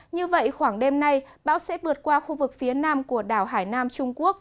như vậy khoảng đêm nay bão sẽ vượt qua khu vực phía nam của đảo hải nam trung quốc